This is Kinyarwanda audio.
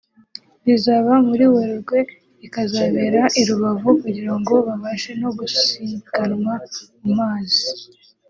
rizaba muri Werurwe rikazabera i Rubavu kugira ngo babashe no gusiganwa mu mazi